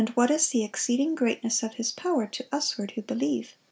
what is the exceeding greatness of His power to us ward who believe."